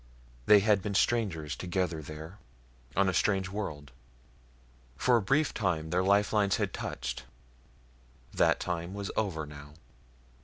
They had been strangers together there, on a strange world. For a brief time their lifelines had touched. That time was over now.